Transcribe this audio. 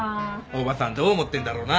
おばさんどう思ってんだろうな？